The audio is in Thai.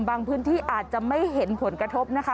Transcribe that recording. พื้นที่อาจจะไม่เห็นผลกระทบนะคะ